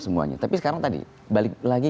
semuanya tapi sekarang tadi balik lagi